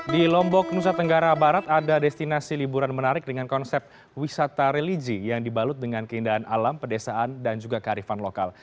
di lombok nusa tenggara barat ada destinasi liburan menarik dengan konsep wisata religi yang dibalut dengan keindahan alam pedesaan dan juga kearifan lokal